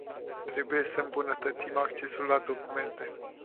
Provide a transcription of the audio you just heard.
Trebuie să îmbunătățim accesul la documente.